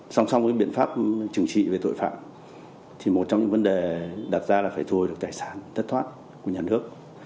song song với biện pháp trừng trị về tội phạm thì một trong những vấn đề đặt ra là phải thu được tài sản thất thoát của nhà nước